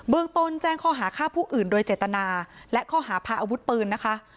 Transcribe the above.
เมืองต้นแจ้งข้อหาฆ่าผู้อื่นโดยเจตนาและข้อหาพาอาวุธปืนนะคะ